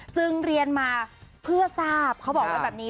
จึงเรียนมาเพื่อทราบเขาบอกว่าแบบนี้